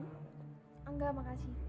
lo bagi kamar biasa